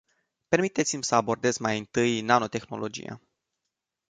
Permiteți-mi să abordez mai întâi nanotehnologia.